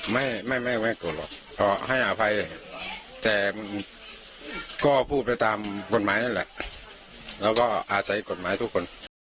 ไม่ไม่โกรธหรอกก็ให้อภัยแต่มันก็พูดไปตามกฎหมายนั่นแหละแล้วก็อาศัยกฎหมายทุกคน